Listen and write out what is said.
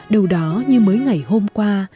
đầu đó như mấy ngày hôm qua